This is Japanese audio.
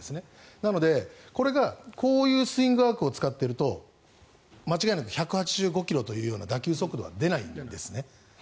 なので、これがこういうスイングアークを使っていると間違いなく１８５ｋｍというような打球速度は出ないんですね。